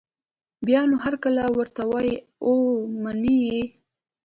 بیا نو هرکلی ورته وايي او مني یې